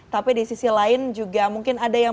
tapi di sisi lain juga mungkin ada yang